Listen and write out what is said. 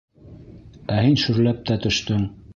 Ә һин шөрләп тә төштөң.